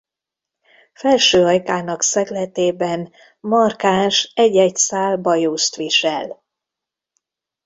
Felső ajkának szegletében markáns egy-egy szál bajuszt visel.